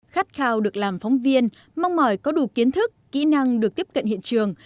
khát khao được làm phóng viên mong mỏi có đủ kiến thức kỹ năng được tiếp cận hiện trường